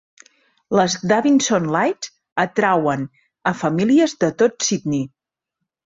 Les "Davidson Lights" atreuen a famílies de tot Sydney.